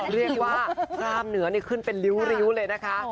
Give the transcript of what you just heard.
เรียกว่ากล้ามเหนือขึ้นเป็นริ้วเลยนะคะ